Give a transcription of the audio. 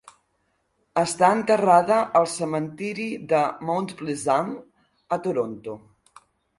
Està enterrada al Cementiri de Mount Pleasant a Toronto.